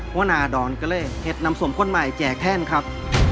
วนาดอนก็เลยเห็ดนำสมคนใหม่แจกแท่นครับ